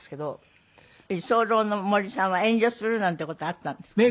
居候の森さんは遠慮するなんて事あったんですかね？